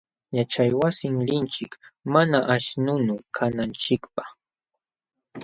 Yaćhaywasin linchik mana aśhnunu kananchikpaq.